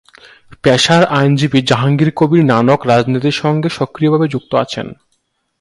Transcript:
পেশার আইনজীবী জাহাঙ্গীর কবির নানক রাজনীতির সঙ্গে সক্রিয় ভাবে যুক্ত আছেন।